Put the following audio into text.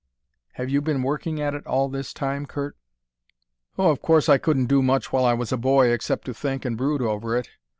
"Have you been working at it all this time, Curt?" "Oh, of course I couldn't do much while I was a boy except to think and brood over it.